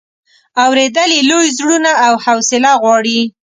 اورېدل یې لوی زړونه او حوصله غواړي.